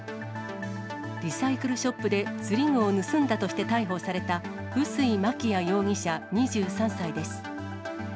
リサイクルショップで釣り具を盗んだとして逮捕された碓氷まきや容疑者２３歳です。